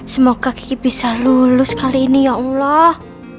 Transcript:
semoga kaki bisa lulus kali ini ya allah